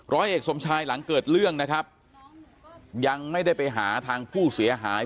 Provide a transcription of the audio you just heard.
ร้อยเอกสมชายหลังเกิดเรื่องนะครับยังไม่ได้ไปหาทางผู้เสียหาย